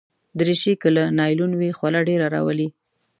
دریشي که له نایلون وي، خوله ډېره راولي.